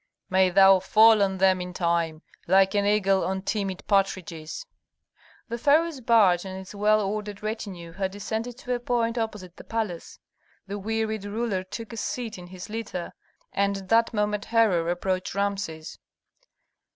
May thou fall on them in time, like an eagle on timid partridges." The pharaoh's barge and its well ordered retinue had descended to a point opposite the palace. The wearied ruler took a seat in his litter, and at that moment Herhor approached Rameses.